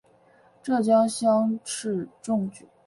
浙江乡试中举。